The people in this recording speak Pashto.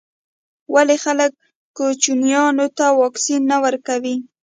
ولي خلګ کوچنیانو ته واکسین نه ورکوي.